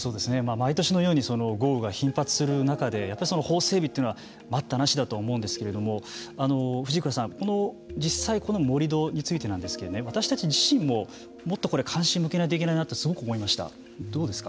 毎年のように豪雨が頻発する中でやっぱり法整備は待ったなしだと思うんですけれども藤倉さん、実際、盛り土についてなんですけれども私たち自身ももっと関心を向けないととすごく思いました。